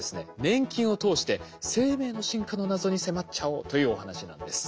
粘菌を通して生命の進化の謎に迫っちゃおうというお話なんです。